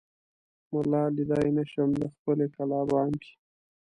ملا ليدای نه شم دخپلې کلا بام کې